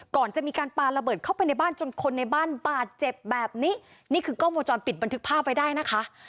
ก่อนจะมีการปาระเบิดเข้าไปในบ้านจนคนในบ้านบาดเจ็บแบบนี้นี่คือกล้องวงจรปิดบันทึกภาพไว้ได้นะคะ